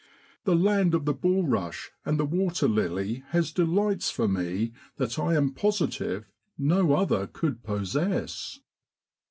The land of the bullrush and the water lily has delights for me that I am positive no other could possess.